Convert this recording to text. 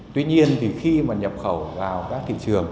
tuy nhiên khi nhập khẩu vào các thị trường